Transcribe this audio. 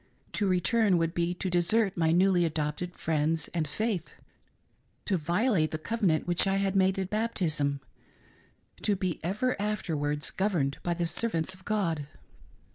To return would be to desert my newly adopted', friends and faith — to violate the covenant which I had made at baptism to " be ever afterwards governed by the servants of God."